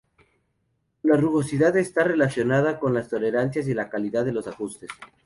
La rugosidad está relacionada con las tolerancias y la calidad de los ajustes.